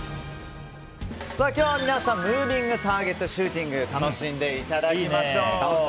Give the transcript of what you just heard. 今日は皆さん、ムービングターゲットシューティングを楽しんでいただきましょう。